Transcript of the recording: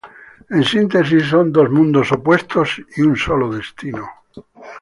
En síntesis, son dos mundos opuestos y un solo destino.